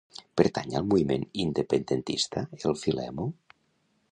Pertany al moviment independentista el Filemo?